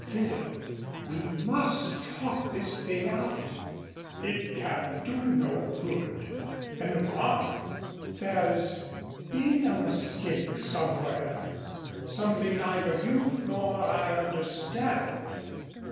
"Phil we must talk this thing out." "It can do no good " "And no harm. There's been a mistake somewhere something neither you nor I understand."